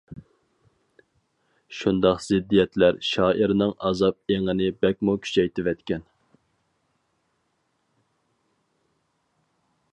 شۇنداق زىددىيەتلەر شائىرنىڭ ئازاب ئېڭىنى بەكمۇ كۈچەيتىۋەتكەن.